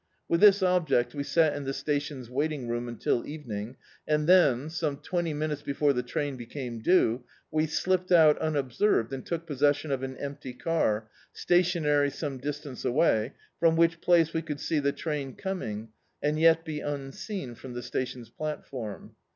With this object we sat in the station's waiting room until evening, and then, some twenty minutes before the train be came due, we slipped out unobserved and took pos session of an empty car, stationary some distance away, from which place we could see the train com ing, and yet be unseen from the station's platform.